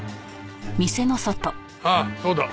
ああそうだ。